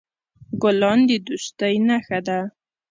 ګلان د دوستی نښه ده.